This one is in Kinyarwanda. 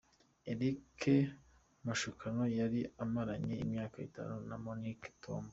Eric Mashukano yari amaranye imyaka itanu na Monique Tambo.